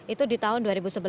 itu di tahun dua ribu sebelas